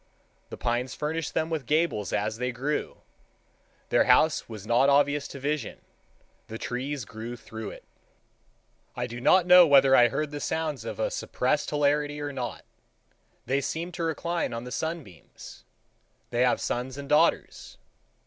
The pines furnished them with gables as they grew. Their house was not obvious to vision; the trees grew through it. I do not know whether I heard the sounds of a suppressed hilarity or not. They seemed to recline on the sunbeams. They have sons and daughters.